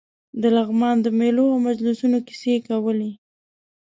د لغمان د مېلو او مجلسونو کیسې کولې.